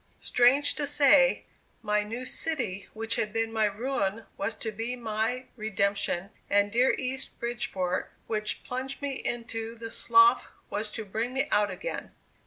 Strange to say, my new city which had been my ruin was to be my redemption, and dear East Bridgeport which plunged me into the slough was to bring me out again.